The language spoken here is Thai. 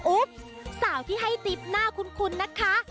สาวที่ให้ติ๊บหน้าคุ้นนะคะ